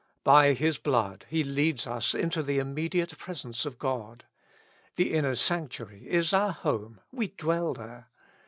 By His blood He leads us into the immediate presence of God. The inner sanctuary is our home, we dwell there.